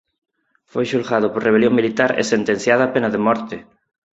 Foi xulgado por rebelión militar e sentenciado a pena de morte.